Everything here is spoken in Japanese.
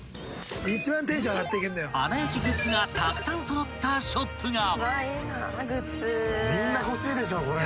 ［『アナ雪』グッズがたくさん揃ったショップが］